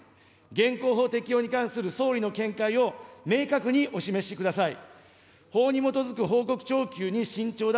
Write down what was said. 現行法適用に関する総理の見解を、明確にお示しください。